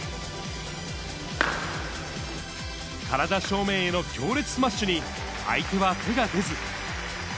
体正面への強烈スマッシュに、相手は手が出ず。